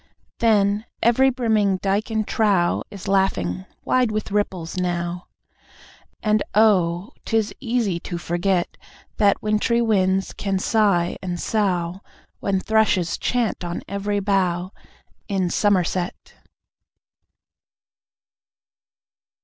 Then, every brimming dyke and trough Is laughing wide with ripples now, And oh, 'tis easy to forget That wintry winds can sigh and sough, When thrushes chant on every bough In Somerset!